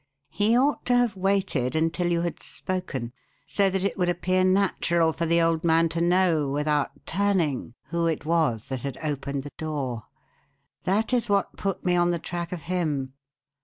He ought to have waited until you had spoken, so that it would appear natural for the old man to know, without turning, who it was that had opened the door. That is what put me on the track of him.